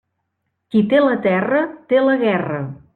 Qui té la terra, té la guerra.